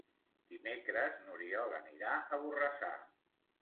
Dimecres n'Oriol anirà a Borrassà.